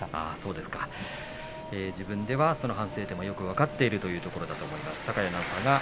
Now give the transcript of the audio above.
自分でその反省点もよく分かっているというところですね。